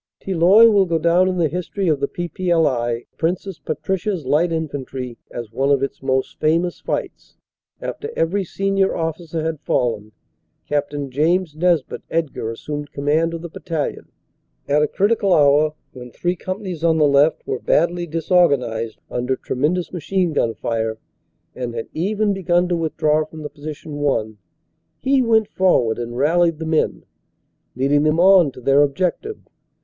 Tilloy will go down in the history of the P.P.L.I. as one of its most famous fights. After every senior officer had fallen, Capt. James Nesbit Edgar assumed command of the battalion. At a critical hour, when three companies on the left were badly disorganized under tremendous machine gun fire, and had even begun to withdraw from the position won, he went for ward and rallied the men, leading them on to their objective.